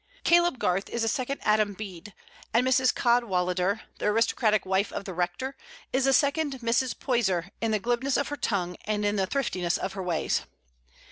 Caleb Garth is a second Adam Bede; and Mrs. Cadwallader, the aristocratic wife of the rector, is a second Mrs. Poyser in the glibness of her tongue and in the thriftiness of her ways.